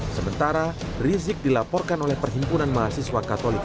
sementara rizik dilaporkan oleh perhimpunan mahasiswa katolik